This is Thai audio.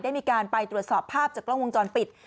ได้มีการไปตรวจสอบภาพจากกล้องวงจรปิด